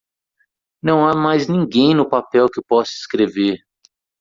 Não há mais ninguém no papel que possa escrever!